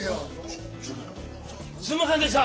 すんませんでした！